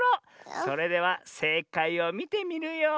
それではせいかいをみてみるよ。